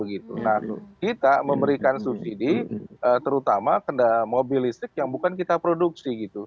nah kita memberikan subsidi terutama mobil listrik yang bukan kita produksi gitu